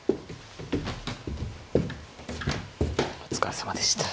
お疲れさまでした。